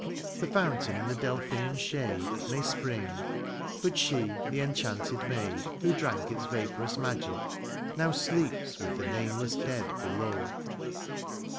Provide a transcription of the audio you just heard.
The fountain in the Delphian shade May spring : but she the enchanted maid Who drank its vaporous magic, now Sleeps with the nameless dead below.